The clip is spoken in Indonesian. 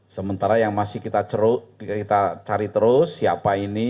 sementara yang masih kita cari terus siapa ini